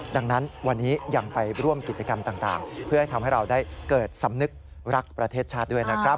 ดังนั้นวันนี้ยังไปร่วมกิจกรรมต่างเพื่อให้ทำให้เราได้เกิดสำนึกรักประเทศชาติด้วยนะครับ